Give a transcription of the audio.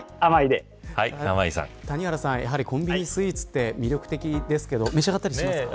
谷原さん、コンビニスイーツって魅力的ですけど召し上がりますか。